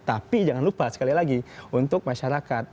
tapi jangan lupa sekali lagi untuk masyarakat